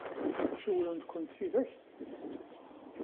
Cewwlent-kent tidak?